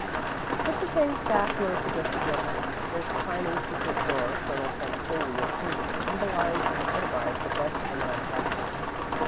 "Put the things back," Rose suggested, gently. This tiny, secret drawer, Colonel Kent's holy of holies, symbolised and epitomised the best of a man's life.